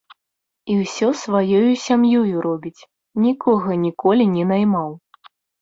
І ўсё сваёю сям'ёю робіць, нікога ніколі не наймаў.